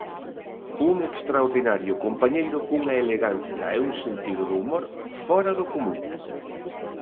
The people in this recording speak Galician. Un extraordinario compañeiro cunha elegancia e un sentido do humor fóra do común.